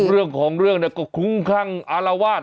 เรื่องของเรื่องน่ะก็คลุ้งข้างอารวาษ